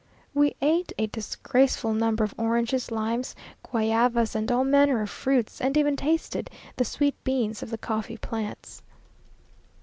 We ate a disgraceful number of oranges, limes, guayavas, and all manner of fruits, and even tasted the sweet beans of the coffee plants.